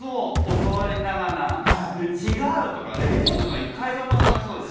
教わりながら「違う！」とか「ええ！？」とかいう会話も楽しそうじゃん。